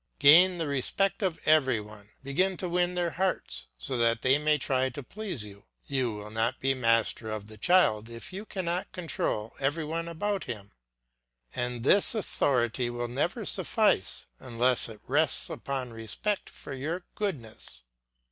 Gain the respect of every one, begin to win their hearts, so that they may try to please you. You will not be master of the child if you cannot control every one about him; and this authority will never suffice unless it rests upon respect for your goodness.